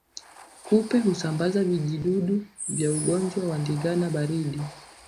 Kupe husamabaza vijidudu vya ugonjwa wa ndigana baridi